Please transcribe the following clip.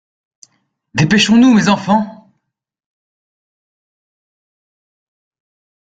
Dépêchons-nous, mes enfants !